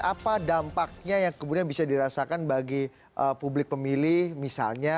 apa dampaknya yang kemudian bisa dirasakan bagi publik pemilih misalnya